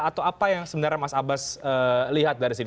atau apa yang sebenarnya mas abbas lihat dari sini